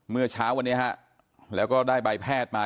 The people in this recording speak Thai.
เมื่อเช้าวันนี้ฮะแล้วก็ได้ใบแพทย์มา